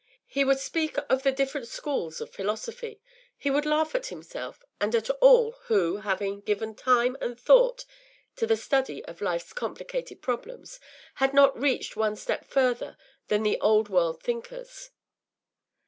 He would speak of the different schools of philosophy; he would laugh at himself, and at all who, having given time and thought to the study of life’s complicated problems, had not reached one step further than the Old World thinkers.